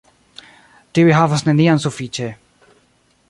Tiuj havas neniam sufiĉe.